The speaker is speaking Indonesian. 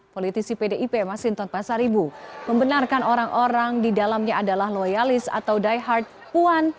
politisi pdip masinton pasaribu membenarkan orang orang di dalamnya adalah loyalis atau diehard puan